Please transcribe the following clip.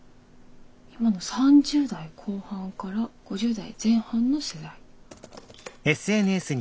今の３０代後半から５０代前半の世代。